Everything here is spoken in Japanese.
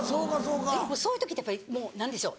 そういう時ってやっぱりもう何でしょう。